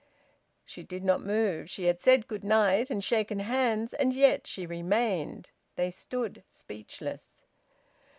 She did not move. She had said `good night' and shaken hands; and yet she remained. They stood speechless.